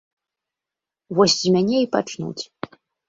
Вось з мяне і пачнуць.